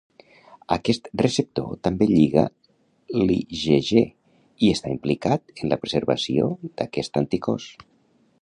Aquest receptor també lliga l'IgG i està implicat en la preservació d'aquest anticòs.